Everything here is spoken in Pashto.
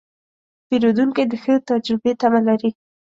پیرودونکی د ښه تجربې تمه لري.